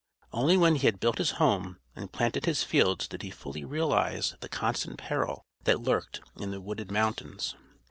Only when he had built his home and planted his fields did he fully realize the constant peril that lurked in the wooded mountains.